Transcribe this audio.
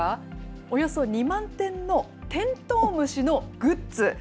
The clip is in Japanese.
およそ２万点のテントウムシのグッズ。